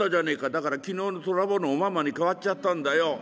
「だから昨日の虎坊のおまんまに変わっちゃったんだよ」。